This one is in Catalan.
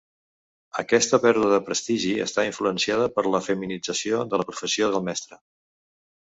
Aquesta pèrdua de prestigi està influenciada per la feminització de la professió del mestre.